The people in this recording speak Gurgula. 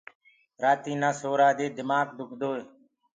رآتي نآ سورآ دي دمآڪ دُکدوئي